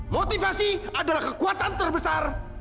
motivasi adalah kekuatan terbesar